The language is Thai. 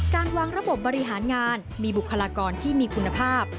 การวางระบบบบริหารงานมีบุคลากรที่มีคุณภาพ